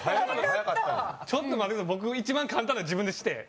ちょっと待ってください、僕一番簡単なのを自分にして？